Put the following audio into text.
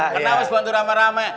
kenapa harus bantu rame rame